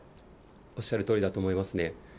おっしゃるとおりだと思いますね。